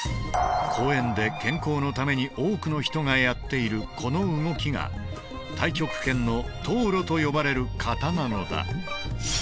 公園で健康のために多くの人がやっているこの動きが太極拳の套路と呼ばれる形なのだ。